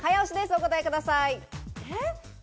お答えください。